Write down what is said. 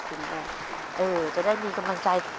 คุณจะได้มีกำลังใจ